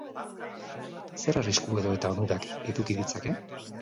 Zer arrisku edo eta onurak eduki ditzake?